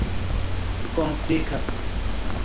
komplika